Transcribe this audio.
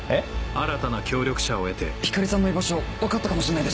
新たな協力者を得て光莉さんの居場所分かったかもしれないです。